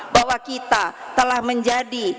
bahwa kita telah menjadi